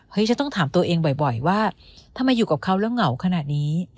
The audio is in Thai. ฉันต้องถามตัวเองบ่อยว่าทำไมอยู่กับเขาแล้วเหงาขนาดนี้